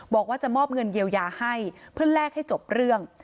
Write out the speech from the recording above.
บอกว่าจะมอบเงินเยียวยาให้เพื่อแลกให้จบเรื่อง